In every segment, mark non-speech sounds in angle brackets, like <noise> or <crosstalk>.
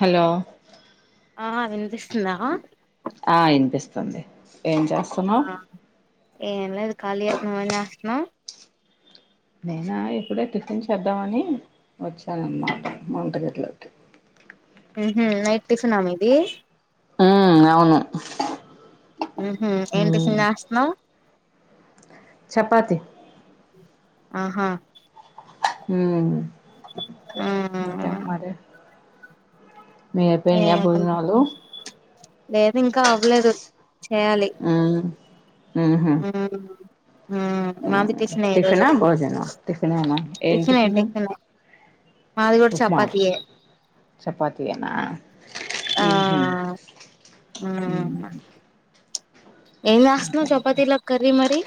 Hello ఆ వినిపిస్తుందా ఆ ఇనిపిస్తంది ఏం చేస్తున్నావు ఏం లేదు ఖాళీయే నువ్వేం చేస్తన్నావ్ నేనా ఇప్పుడే టిఫిన్ చేద్దామని వచ్చానన్నమాట వంట గది లోకి ఊహూ నైట్ టిఫినా మీదీ మ్మ్ అవును మ్మహ్ ఏం ఉమ్ టిఫిన్ జస్తన్నావ్ చపాతి ఆహా మ్మ్ ఆ ఇంకేంట్ మరి మీవి అయిపోయినాయా ఏం భోజనాలు లేదు ఇంకా అవ్వలేదు చేయాలి ఆ అహ ఉమ్ ఉమ్ మాది టిఫినే ఈ రోజు టిఫినా భోజనా, టిఫన్ ఎనా, ఏన్ టిఫినే టిఫిను, టిఫినే మాది కూడా ఉప్మా చపాతీయే చపాతి ఎనా ఆ, ఆ ఎమ్ చస్తున్నావ్ చపాతిలోకి కర్రీ మరి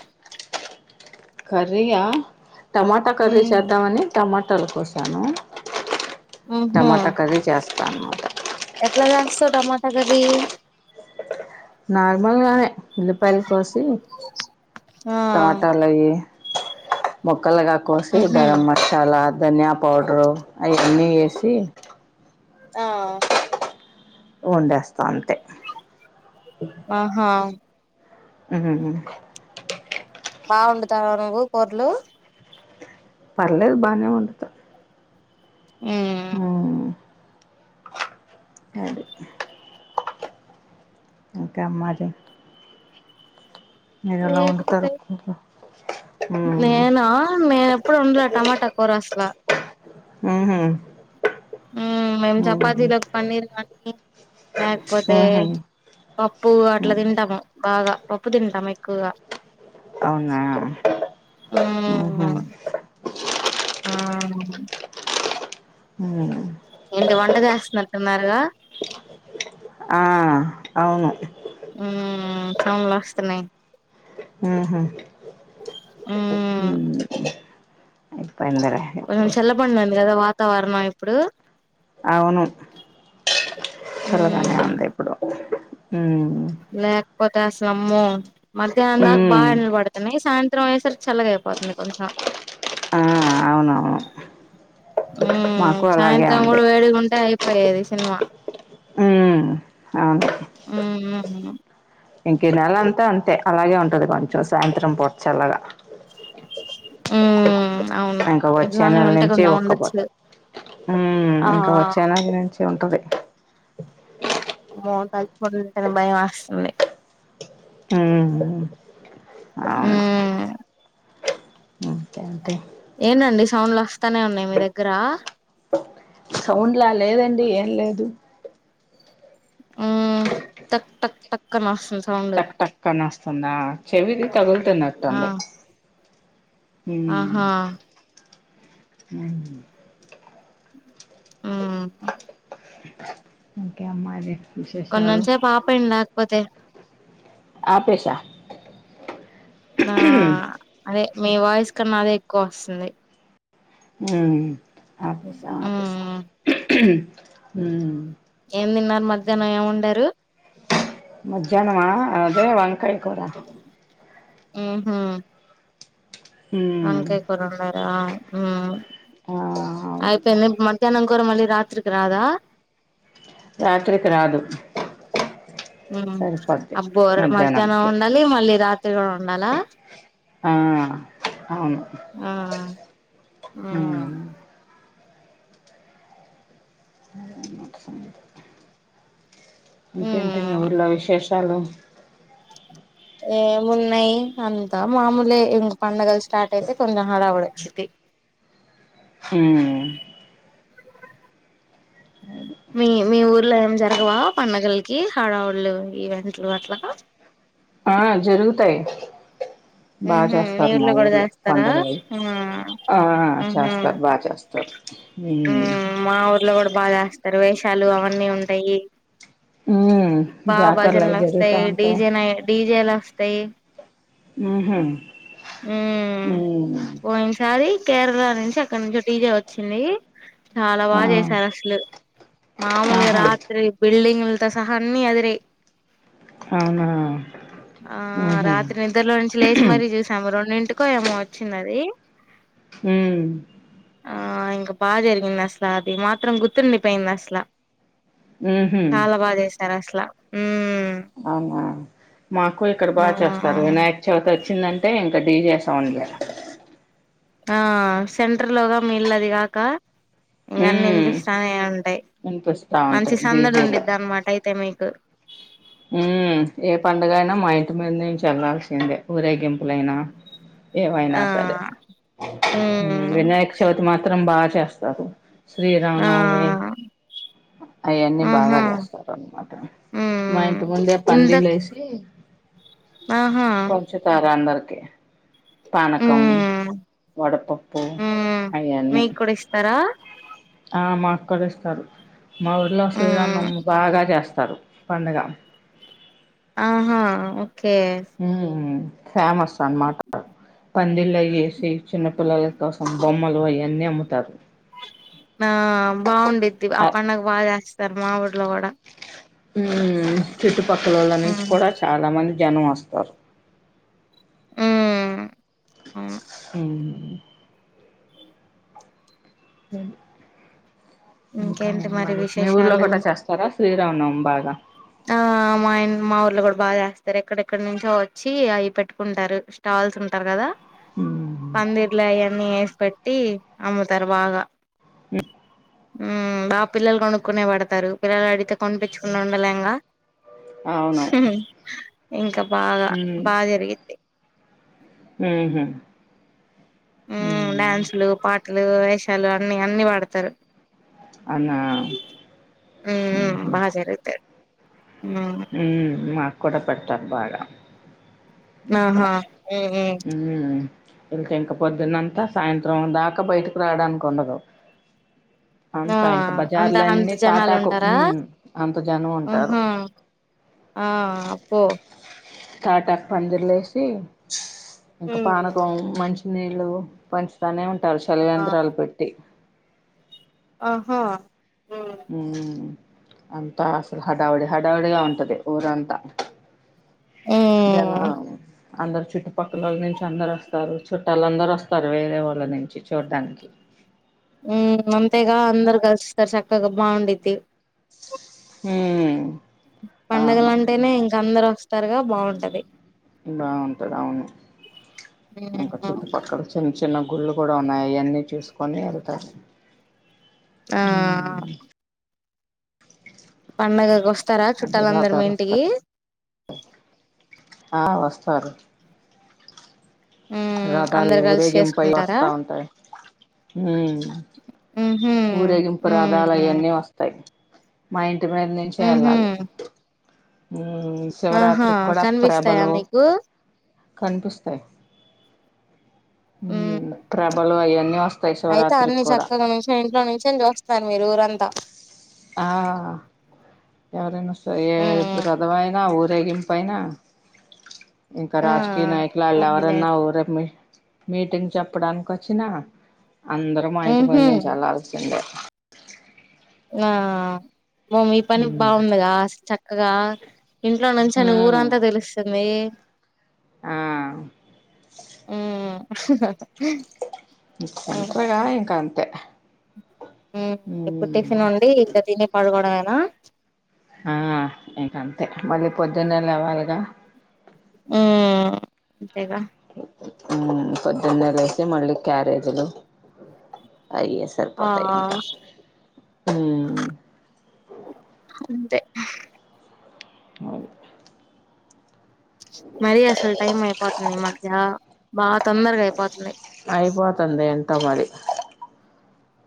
కర్రీ యా టమాటా కర్రీ ఉమ్ చేద్దామని టమాటాలు కోశాను ఉహు టమాటా కర్రీ జాస్తానమాట సో టమాటకర్రీ నార్మల్గానే ఉల్లిపాయలు కోసి ఆ టమాటాలు అవి ముక్ ముక్కలుగా కోసి ఉహు గరం మసాల ధన్యాపొ పౌడరు అయన్నీ వేసి ఆ వండేస్తా అంతే ఆహా మ్మ్హ్హ్ బావండుతవా నువ్వు కూరలు పర్లేదు బానే వండుతా మ్మ్ అది ఇంకా మాది కూర నేనా నేను ఎప్పుడు వండలే టమాటా కూర అసలా అవుహ ఉమ్ మేమ్ చపాతీలో పన్నీర్ కానీ లేకపోతే పప్పు అట్ల తింటాము బాగా పప్పు తింటాం ఎక్ క్కుగా అవునా ఊ ఆ బ ఊ వంట చేస్తున్నట్టున్నారుగా ఆ అవును ఊ సౌండ్లు వస్తున్నాయ్ ఊహు ఊ ఐ కొంచం చల్ల పడినాది కదా వాత్ తో ర్ణ ఇప్పుడు అవును చల్లగానే ఉంది ఇప్పుడు ఉమ్ లేక్పోతే అసలు అమ్మో మధ్యాహ్నం దాక బాగా ఉమ్ ఎండలు పడుతున్నాయి సాయంత్రం అయ్యేసరికి చల్లగ అయిపోతుంది కొంచం ఆ అవునవును ఊ మాకు అలాగే సాయంత్రం కూడ ఉంది వేడిగా ఉంటే అం పోయేది సినిమా ఉమ్ అవును మ్ అవును ఇంక ఈ నెలా అంత అంతే అలాగే ఉంటది కొంచెం సాయంత్రం పూట చల్లగా ఉమ్ అవును ఇంకా వచ్చే ఇట్లానే నెల ఉంటే నుంచి కొంచెం ఉక్క పూత ఉండొచ్చు ఉమ్ ఆ ఇంకా వచ్చే నెల నుంచి ఏ ఉంటది మో తలుచుకుంటేనె భయం వస్తుంది ఉమ్ అవును ఇంకేంటి ఏంది అండి సౌండ్లు వస్తానే ఉన్నాయి మీ దగ్గర సౌండ్ల లేదండి ఏం లేదు ఉమ్ తక్ టక్ టక్ అని వస్తుంది. సౌండ్ చక్ టక్కని వస్తుందా చెవిది ఆ తగులుతున్నట్టుంది ఆహా హు ఉమ్ ఓకే అమ్మాయిదే కొన్నెన్సేప్ ఆపేయండి లేక్ పోతె ఆపేస నా అదె మీ వాయిస్ కన్నా అదే ఎక్కువ వస్తుంది ఉమ్ ఆపేస్తా ఆపేస్త ఉమ్ ఉ ఏం తిన్నారు మధ్యాహ్నం ఏమొండారు మధ్యాహ్నమా అదే వంకాయ కూరా ఊహా ఉమ్, ఒంకయ్ కూరండరా ఆ ఆ అయిపోఇంద ఇప్ మధ్యాహ్నం కుర మళ్ళి రాత్రికి రాదా రాత్రికి రాదు ఉహు సరిపోద్ది అబ్బో మధ్యాహ్నం మధ్యాహ్నానికి ఒండాలి మళ్ళీ రాత్రి రి వండాలా ఆ అవును ఆ మ్మ్ అ అన్న సంగ <unintelligible> ఇకేంటి మీ మ్మ్ ఊళ్ళో విశేష చాల ఏమున్నాయి అంతా మామూలే ఇంక పండగల్ స్టార్ట్ అయితే కొంచెం హడవడీ డి హ్మ్ ఉ మీ మీ ఊర్లో ఏం జరగవా పండగలకి హడావళ్ళు ఈవెంట్లు అట్లగా ఆ జరుగుతాయి బాగా మ్హు మీ చేస్తారు మా కూడా ఊర్లో చేస్తారా పండగలవి ఆ ఆ చేస్తారు బా చేస్తారు <inaudible> ఉ ఉమ్. మా ఊర్లో కూడా బాగ చేస్త్ దర్వేషాలు అవన్నీ ఉంటాయి ఉమ్ బా జాతరలు అవి జరుగుతా ఉంటాయ్ జేల్ వస్తాయి ఊ మ్ ఉమ్ పోయినసారి కేరళ నుంచి ఎక్కడ నుంచొ డిజే వచ్చింది చాలా ఆ బాగా చేసారు అసలు మామూలుగా ఆహా రాత్రి బిల్డింగ్ దీంతో సహా అన్ని అదిరాయి అవునా ఆ ఉహు రాత్రి నిద్రలో నుంచి లేచి మరీ చూసాము రెండింటికి కుక్కో ఏమో వచ్చిందది హ్మ్ ఆ ఇంక బా జరిగింది అసలా అది మాత్రం గుర్తుండిపోయింది అసలా ఉహు చాలా బా చేసారు అసలు అట్ల హ్మ్ అవునా మాకూ ఇక్కడ బా ఆ చేస్తారు వినాయక చవితి వచ్ వచ్చిందంటే ఇంక డీజే సౌండ్ లే ఆ సెంటర్ లోగా మీఇల్లది కాక ఇంక అన్నీ ఉమ్ వినిపిస్తానే ఉంటాయి వినిపిస్తా మంచి ఉంటాయి సందడి డీజేలు ఉండిద్ది అన్నమాట ఐ ఐతే మీకు హ్మ్ ఏ పండుగ అయినా మా ఇంటి మీద నుంచి వెళ్లాల్సిందే ఊరేగింపులైనా ఏమైనా ఆ సరే ఉమ్ వినాయక చవితి మాత్రం బా చేస్తారు ఆ శ్రీరామనవమి అయన్నీ బాగా ఆహా చేస్తారన్నమాట మా ఉమ్ ఇంటి ముందే ఇంత పందిళ్లు వేసి ఆహా పంచుతారు అందరు ఓకే పానకం ఉమ్ వడపప్పు ఉమ్ అయన్నీ మీకు కూడా ఇస్తారా ఆ మాక్కూడ ఇస్తారు మా ఊర్లో ఉమ్ శ్రీరామనవమి బాగా చేస్తా రు పండగ ఆహా ఓ హ్మ్ ఫేమస్ అన్నమాట పందిళ్లు అయిఏసి చిన్న పిల్లల కోసం బొమ్మలు అయన్నీ అమ్ము తారు నా బాగుండిద్ది ఆ పండుగ బా చేస్తారు మా ఊర్లో కూడా ఉమ్ చుట్టుపక్కలోళ్ళ నుంచి హ్మ్ కూడా చాలా మంది జనం వస్తారు ఉమ్ అవును హ్మ్ <inaudible> ఇంకా ఇంకేంటి ఏం మరి మీ ఊర్లో విశేషాలు కూడా చేస్తారా శ్రీరామనవమి బాగా ఆ మాయన్ మా ఊర్లొ గడు. బాగ జేస్తరు ఎక్కడెక్కడ్ నుంచో వచ్చీ అయ్ పెట్టుకుంటారు స్టాల్సుంటార్ గదా. పందిర్ల్ అయన్నీ ఏస్ పెట్టి. అమ్ముతార్ బాగ. ఉమ్ ఉమ్ బా పిల్లల్ గొనుక్కునే బడతారు పిల్లలడిగితే కొనిపించకుండ ఉండలేం గా. అవును ఇంక బాగా బా జరిగిద్ది. మ్మ్ హూ. ఉమ్ డాన్స్లు పాట్. లు వేషాలు అన్ని అన్ని వాడతరు. అవునా ఉమ్ బా జరగుతది. ఉమ్ మాక్కూడ. పడ్తార్ బాగా నాహా ఊహూ. యెళ్త ఇంక పొద్దున్నంత సాయంత్రం దాకా బయ్టికి రాడానికుండదు. ఆ అంత ఇంక అంత అంత బజార్లన్ని జనాలు తాటాకు ఉంటారా ఇ అంత జనముంటారు. ఆహా ఆ అప్పో. తాటాక్ పందిర్లేసి. ఇంక ఉమ్ పానకమ్ మంచి. నీళ్ళు పంచుతానే టాల్ షలివేంద్రాల్ పెట్టి. అహా. ఊ. అంతా అసల్ హడావుడి హడావుడిగా ఉంటది ఊరంత. జనా మ్మ్ అందర్ చ్ చుట్టుపక్కలొల్ నుంచి అందరొస్ తారు చుట్టాలందరొస్తారు వేరే వాళ్ళ నుంచి చూడ్డాన్కి. ఉమ్ అంతేగా అందర్ గల్స్తార్ సక్కగ బాగుండిద్ది. ఊ. పండగలంటేనే ఇంకందరొ బాగుంటది ఔను ఇంక చుట్టుపక్కల చిన్ చిన్న. గుళ్ళు కూడా ఉన్నాయ్ అయన్నీ చూస్కొని యెళ్తరు. ఆ ఊ ఉ పండగకి వస్తారా అదే చుట్టాలందరు మీ రథాలు ఇంటికి వస్తాయి ఆ వస్తారు మ్మ్ రథాలు అందరు కలిసి ఊరేగింపైయి చేసుకుంటారా వస్తా ఉంటాయి హ మ్హూ ఊరేగింపు రథాలు మ్మ్ అవన్నీ వస్తాయి మైండ్ ఇటు మింద నుంచే మ్హూ వెళ్ళాలి హ్ ఆహా శివరాత్రికి కూడా కనిపిస్తాయా ప్రభలు మీకు కనిపిస్తాయి మ్మ్ హ్మ్ వాళ్ళవి అయన్ని వస్తయి అయితే అన్ని చక్కగా నిమిషం ఇంట్లొ నుంచి నిలుచుని చూస్తున్నారు మీరు ఊరంతా ఆ ఎవరైనా సరే ఏ మ్మ్ రధమైనా ఊరేగింపు అయినా ఇంకా ఆ రాజకీయ నాయకులు వాళ్ళు ఎవరన్నా పోనీలేండి రేపు మీ మీటింగ్ చెప్పడానికి వచ్చినా అందరూ మా ఇంటి మ్హూ మీది నుంచి వెళ్ళాల్సిందే ఆ మ మీ పని హ్మ్. బాగుందిగా చక్కగా ఇంట్లో నుంచిని హ్మ్. ఊరంతా తెలుస్తుంది ఆ మ్మ్ ఉమ్ సెంటర్ గా ఇంక అంతే ఉ ఇప్పుడు హ్మ్. టిఫిన్ వండి ఇంకా తిని పడుకోవడమే ఆ ఆ ఇక అంతే మళ్ళీ పొద్దున్నే లేవాలిగా ఆ అంతేగా ఉ పొద్దున్నే లేసి మళ్ళీ క్యారేజ్లు అయే ఆ సర్పోతయి ఆ ఇంక అంతే మ <unintelligible> మరీ అసలు టైం అయిపోతుంది ఈ మధ్య బాగా తొందరగా అయిపోతన్నాయి టోమరి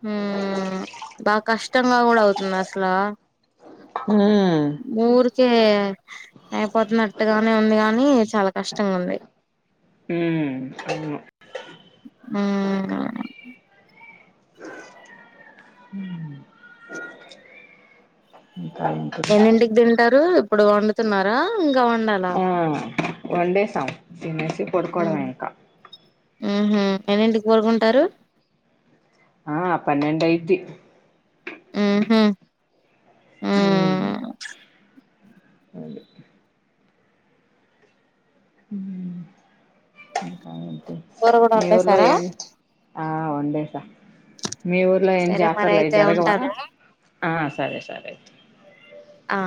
హ్మ్ బా కష్టంగా కూడా అవుతుంది అసలా ఉమ్ ఊరికే అయిపోతన్నట్టు నట్టుగానే ఉంది గాని చాలా కష్టంగా ఉంది హ్మ్ అవును హ్మ్ హ ఏంటిది ఎన్నింటికి తింటారు ఇప్పుడు వండు తిన్నారా ఆ వండేసాం తినేసి పడుకోవడమే ఇంక ఊహూ ఎన్నింటికి పడుకుంటారు ఆ పన్నెండు ఐద్ది ఊహూ హ్మ్ అే హ కూర కూడా మీ ఊర్లో వండేసారా ఎం ఆ వండేసా మీ ఊర్లో ఏం సరే మరి జాతరలయి అయితే జరగవా ఉంటాను ఆ సరే సరే అయితే ఆ